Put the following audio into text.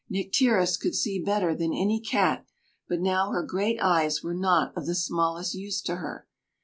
Nycteris could see better than any cat, but now her great eyes were not of the smallest use to her.